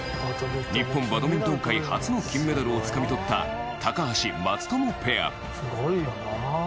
日本バドミントン界初の金メダルをつかみ取った高橋・松友ペア。